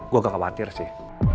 gue gak khawatir sih